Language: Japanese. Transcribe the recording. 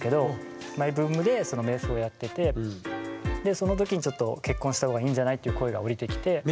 その時にちょっと「結婚したほうがいいんじゃない？」っていう声が降りてきて。